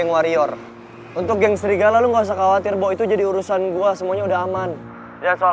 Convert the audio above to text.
warior untuk geng serigala lu nggak usah khawatir itu jadi urusan gua semuanya udah aman dan soal